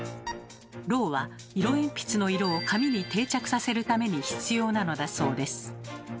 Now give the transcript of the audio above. ロウは色鉛筆の色を紙に定着させるために必要なのだそうです。